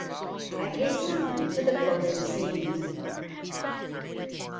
I hasten to the closing scene.